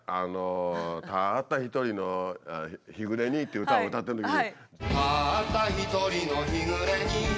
「たった一人の日暮れに」っていう歌を歌ってるときに。